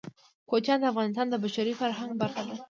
کوچیان د افغانستان د بشري فرهنګ برخه ده.